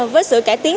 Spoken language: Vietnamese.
với sự cải tiến